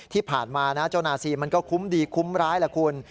ที่ผ่านมานะเจ้านาซีมันก็คุ้มดีคุ้มร้ายแหละคุณ